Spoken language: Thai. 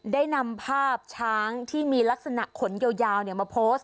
ได้นำภาพช้างที่มีลักษณะขนยาวมาโพสต์